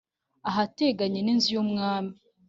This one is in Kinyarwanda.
Ahateganye n inzu y umwami